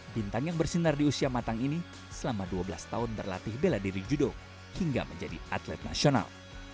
bintang yang bersinar di usia matang ini selama dua belas tahun berlatih bela diri judo hingga menjadi atlet nasional